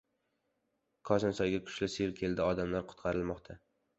Kosonsoyga kuchli sel keldi, odamlar qutqarilmoqda